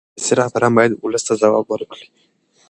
سیاسي رهبران باید ولس ته ځواب ورکړي